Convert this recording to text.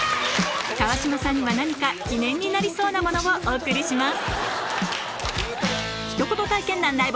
川島さんには何か記念になりそうなものをお送りします